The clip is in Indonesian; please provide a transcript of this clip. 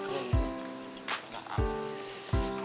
tiga item namanya tuh